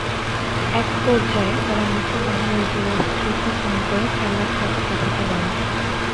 একপর্যায়ে তারা মুঠোফোনে নজরুলের স্ত্রীকে ফোন করে চার লাখ টাকা পাঠাতে বলে।